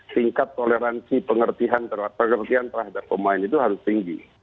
tingkat toleransi pengertian terhadap pemain itu harus tinggi